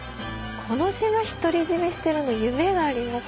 この島独り占めしてるの夢がありますね。